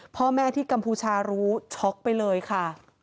พ่อแม่ที่กัมพูชารู้ช็อกไปเลยค่ะ